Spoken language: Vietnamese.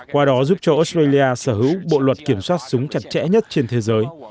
qua đó giúp cho australia sở hữu bộ luật kiểm soát súng chặt chẽ nhất trên thế giới